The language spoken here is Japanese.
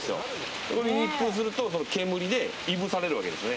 そうすると煙でいぶされるわけですね。